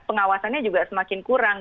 pengawasannya juga semakin kurang